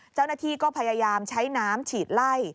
เจ้าหน้าที่ก็พยายามใช้น้ำฉีดไล่